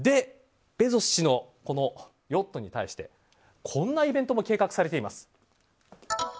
ベゾス氏のヨットに対してこんなイベントも計画されています。